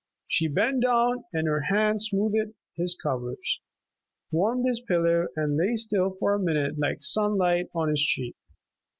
She bent down and her hands smoothed his covers, warmed his pillow and lay still for a minute like sunlight on his cheek.